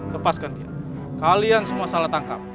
lepaskan dia kalian semua salah tangkap